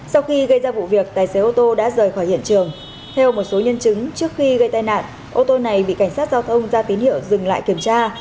sau khi gây ra vụ việc tài xế ô tô đã rời khỏi hiện trường theo một số nhân chứng trước khi gây tai nạn ô tô này bị cảnh sát giao thông ra tín hiệu dừng lại kiểm tra